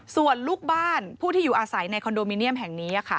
ส่วนลูกบ้านผู้ที่อยู่อาศัยในคอนโดมิเนียมแห่งนี้